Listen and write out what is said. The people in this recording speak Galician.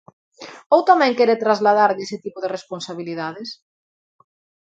¿Ou tamén quere trasladarlle ese tipo de responsabilidades?